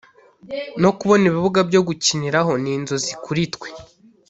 no kubona ibibuga byo gukiniraho ni inzozi kuri twe